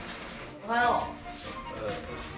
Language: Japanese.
おはよう。